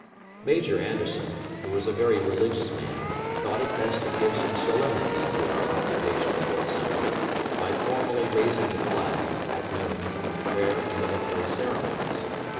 Major Anderson, who was a very religious man, thought it best to give some solemnity to our occupation of Fort Sumter by formally raising the flag, at noon, with prayer and military ceremonies.